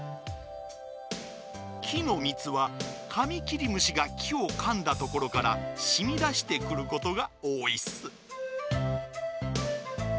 きのみつはカミキリムシがきをかんだところからしみだしてくることがおおいっす。